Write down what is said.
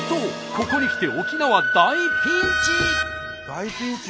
ここにきて沖縄大ピンチ！